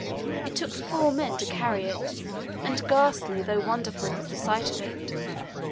It took four men to carry it, and ghastly, though wonderful, was the sight of it.